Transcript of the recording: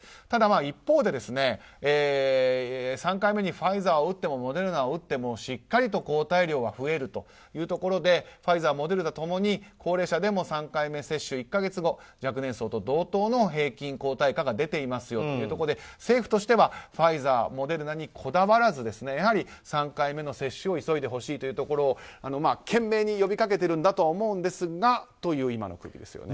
ただ、一方で３回目にファイザーを打ってもモデルナを打っても、しっかりと抗体量が増えるというところでファイザー、モデルナ共に高齢者でも３回目接種で１か月後、若年層と同等の平均抗体価が出ていますよというところで政府としてはファイザー、モデルナにこだわらず、３回目の接種を急いでほしいというところを懸命に呼びかけているんだと思いますがという今の状況です。